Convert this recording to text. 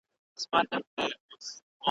چي کسات د ملالیو راته واخلي `